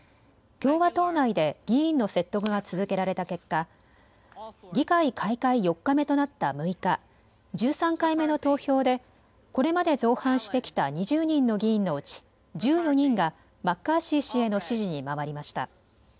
共和党内で議員の説得が続けられた結果、議会開会４日目となった６日、１３回目の投票でこれまで造反してきた２０人の議員のうち１４人がマッカーシー氏への支持に回りました。